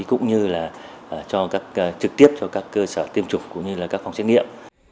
cũng như trực tiếp cho các cơ sở tiêm chủng cũng như các phòng xét nghiệm